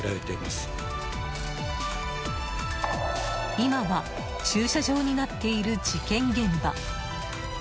今は駐車場になっている事件現場。